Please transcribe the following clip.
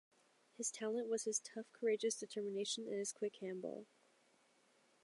His talent was his tough, courageous determination and his quick handball.